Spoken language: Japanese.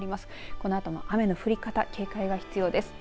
このあとも雨の降り方警戒が必要です。